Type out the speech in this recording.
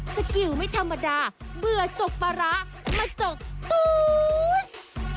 สกิลไม่ธรรมดาเบื่อตกปลาร้ามาจกตุ๊ด